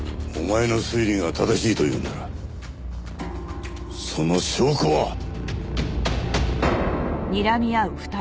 お前の推理が正しいというのならその証拠は？